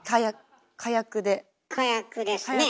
火薬ですねえ。